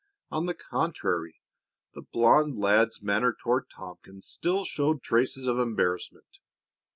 On the contrary, the blond lad's manner toward Tompkins still showed traces of embarrassment.